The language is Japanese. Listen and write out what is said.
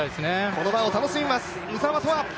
この場を楽しみます、鵜澤飛羽。